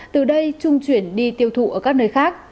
từ đây trung chuyển đi tiêu thụ ở các nơi khác